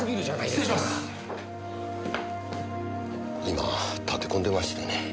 今は立て込んでましてね。